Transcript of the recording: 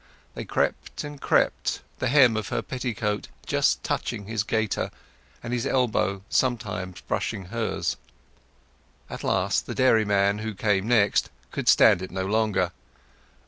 They crept and crept, the hem of her petticoat just touching his gaiter, and his elbow sometimes brushing hers. At last the dairyman, who came next, could stand it no longer.